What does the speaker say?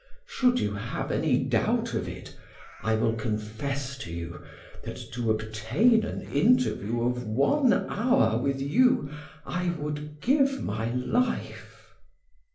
Should you have any doubt of it, I will confess to you, that to obtain an interview of one hour with you I would give my life."